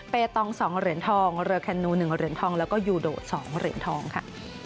ตอง๒เหรียญทองเรือแคนนู๑เหรียญทองแล้วก็ยูโด๒เหรียญทองค่ะ